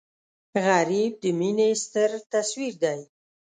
غریب د مینې ستر تصویر دی